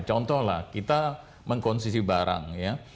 contohlah kita mengkonsumsi barang